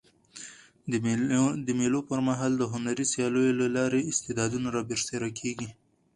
د مېلو پر مهال د هنري سیالیو له لاري استعدادونه رابرسېره کېږي.